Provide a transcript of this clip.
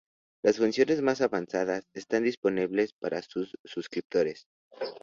Las funciones más avanzadas están disponibles para suscriptores.